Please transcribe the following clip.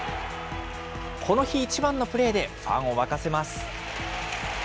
この日一番のプレーで、ファンを沸かせます。